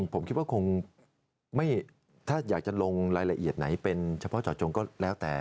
ผมคิดว่าคงถ้าอยากจะลงรายละเอียดไหนเป็นเฉพาะเจาะจงก็แล้วแต่